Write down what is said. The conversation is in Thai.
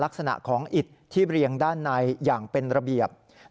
บ่องทองอายุ๖๐ปี